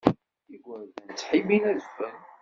Igerdan ttḥibbin adfel.